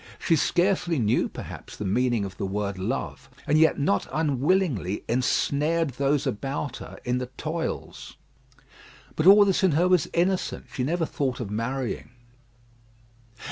She scarcely knew, perhaps, the meaning of the word love, and yet not unwillingly ensnared those about her in the toils. But all this in her was innocent. She never thought of marrying.